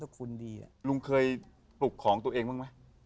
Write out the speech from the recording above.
คุณดีลุงเคยปลุกของตัวเองบ้างไหม